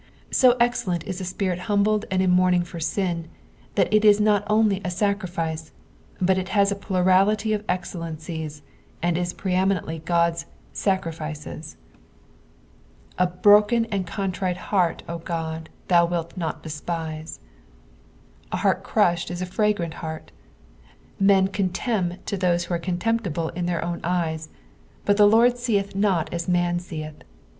So excellent is a Spirit humbled and mourniag for sin, that it ia not only a sacrifice, but it has a plurality of excellences, aiid is pre eminently Ood's ^' taer^ket." '^ A hroken and a contrite Tteart, 0 God, thoa wilt not detpue," A heart ciusbed is a fragrant heart. Hen contemn those who are contemptible in their own eyes, but tha Lord seeth not as man seeth.